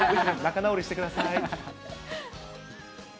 仲直りしてください。